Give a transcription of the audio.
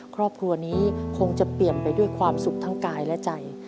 ครอบครัวนี้คงจะเปลี่ยนไปด้วยความสุขทั้งกายและใจ